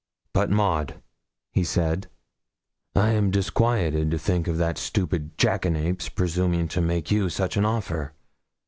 'But, Maud,' he said, 'I am disquieted to think of that stupid jackanapes presuming to make you such an offer!